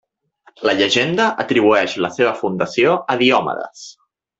La llegenda atribueix la seva fundació a Diomedes.